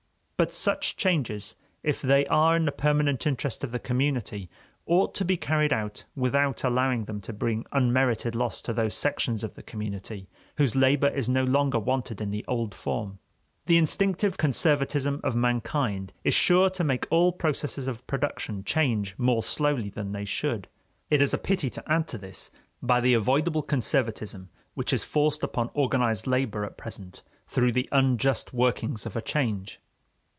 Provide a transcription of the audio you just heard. But such changes, if they are in the permanent interest of the community, ought to be carried out without allowing them to bring unmerited loss to those sections of the community whose labor is no longer wanted in the old form. The instinctive conservatism of mankind is sure to make all processes of production change more slowly than they should. It is a pity to add to this by the avoidable conservatism which is forced upon organized labor at present through the unjust workings of a change.